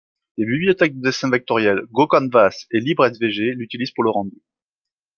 Les bibliothèques de dessin vectoriel goocanvas et librsvg l'utilisent pour le rendu.